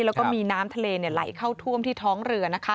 แล้วก็มีน้ำทะเลไหลเข้าท่วมที่ท้องเรือนะคะ